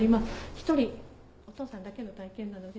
１人お父さんだけの体験なので。